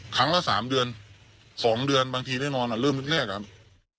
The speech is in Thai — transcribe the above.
ครั้งละสามเดือนสองเดือนบางทีได้นอนอ่ะเริ่มนึงแน่นอย่างครับ